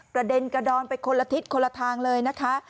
กระเด็นกระดอนไปคนละทิศคนละทางเลยนะคะ